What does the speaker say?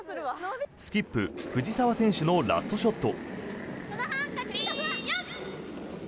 スキップ、藤澤選手のラストショット。